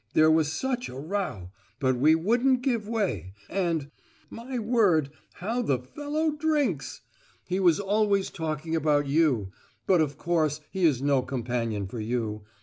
There was such a row, but we wouldn't give way—and, my word, how the fellow drinks! He was always talking about you; but, of course, he is no companion for you.